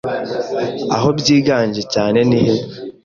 aho byiganje cyane ni he